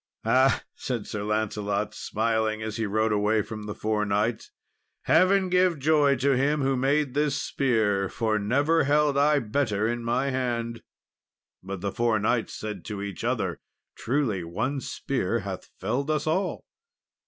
"Ah," said Sir Lancelot, smiling, as he rode away from the four knights, "heaven give joy to him who made this spear, for never held I better in my hand." But the four knights said to each other, "Truly one spear hath felled us all."